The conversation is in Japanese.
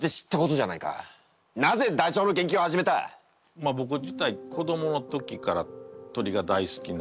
まあぼく自体子どもの時から鳥が大好きな。